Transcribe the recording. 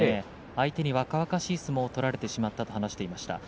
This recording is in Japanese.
相手に若々しい相撲を取られてしまったと話していました。